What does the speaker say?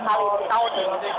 kali ini tahun ini